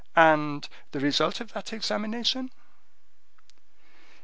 And the result of that examination?"